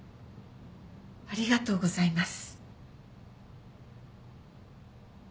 ありがとうございます。